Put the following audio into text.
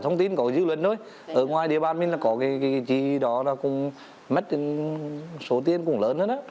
thông tin có dư luận thôi ở ngoài địa bàn mình là có cái gì đó là cũng mất số tiền cũng lớn hơn á